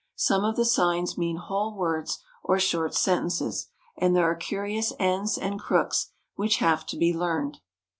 Some of the signs mean whole words or short sentences, and there are curious ends and crooks which have to be learned.